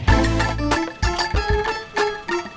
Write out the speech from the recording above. untung huling ter bunuh